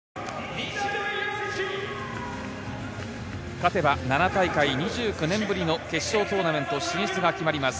勝てば７大会２９年ぶりの決勝トーナメント進出が決まります。